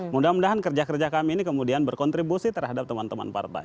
mudah mudahan kerja kerja kami ini kemudian berkontribusi terhadap teman teman partai